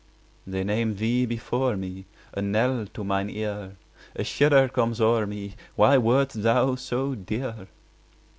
They name thee before me, A knell to mine ear; A shudder comes o'er me— Why wert thou so dear?